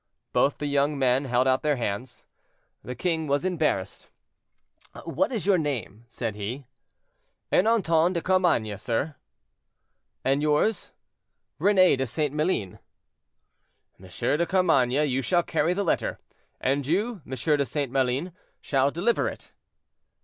Both the young men held out their hands. The king was embarrassed. "What is your name?" said he. "Ernanton de Carmainges, sire." "And yours?" "Rene de St. Maline." "M. de Carmainges, you shall carry the letter, and you, M. de St. Maline, shall deliver it."